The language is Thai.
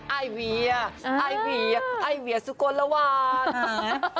ไอเวียไอเวียไอเวียสุโกนละวานค่ะค่ะ